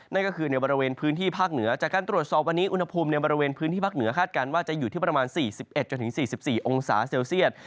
นั่นก็คือในบริเวณพื้นที่ภาคเหนือจากการตรวจสอบวันนี้อุณหภูมิในบริเวณพื้นที่ภาคเหนือคาดการณ์ว่าจะอยู่ที่ประมาณ๔๑๔๔องศาเซลเซียต